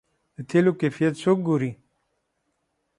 د تیلو کیفیت څوک ګوري؟